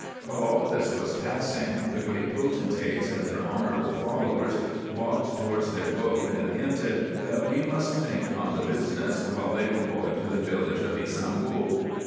While all this was passing, the great potentates and their honourable followers walked towards their boat, and hinted, that we must think on the business while they were going to the village of Ybsambul.